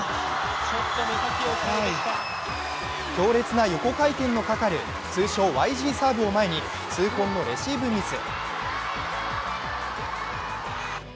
強烈な横回転のかかる通称、ＹＧサーブを前に痛恨のレシーブミス。